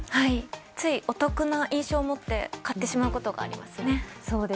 ついお得な印象を持って買ってしまうことがありますね。